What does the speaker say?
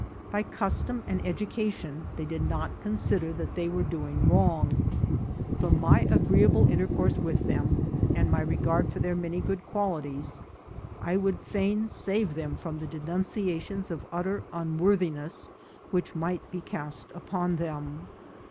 By custom and educa tion they did not consider that they were doing wrong. From my agreeable intercourse with them, and my re gard for their many good qualities, I would fain save them from denunciations of utter unworthiness which might be cast upon them.